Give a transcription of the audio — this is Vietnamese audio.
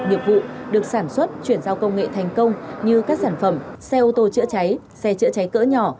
nghiệp vụ được sản xuất chuyển giao công nghệ thành công như các sản phẩm xe ô tô chữa cháy xe chữa cháy cỡ nhỏ